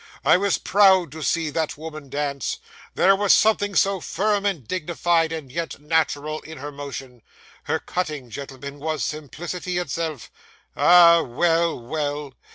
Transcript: I was proud to see that woman dance; there was something so firm and dignified, and yet natural, in her motion. Her cutting, gentlemen, was simplicity itself. Ah! well, well!